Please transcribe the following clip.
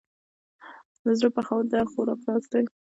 له زړه پخول د هر خوراک راز دی.